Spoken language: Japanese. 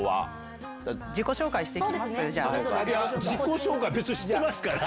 いや自己紹介は別に知ってますから。